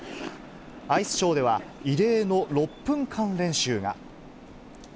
アイスショーでは異例の６分間練習が。